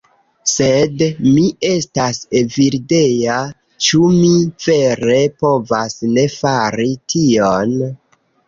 Sed mi estas Evildea... ĉu mi vere povas ne fari tion?